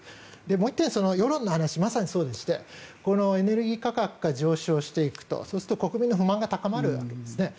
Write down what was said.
もう１回世論の話がまさにそうでしてエネルギー価格が上昇していくとそうすると国民の不満が高まるわけですね。